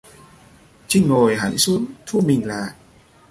Trinh ngồi hẳn xuống thu mình lại